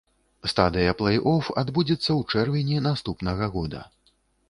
Стадыя плэй-оф адбудзецца ў чэрвені наступнага года.